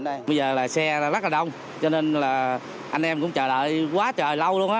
bây giờ là xe rất là đông cho nên là anh em cũng chờ đợi quá trời lâu luôn